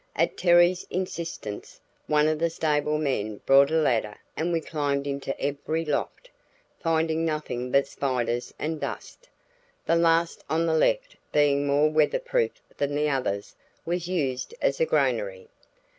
At Terry's insistence one of the stable men brought a ladder and we climbed into every loft, finding nothing but spiders and dust. The last on the left, being more weatherproof than the others, was used as a granary.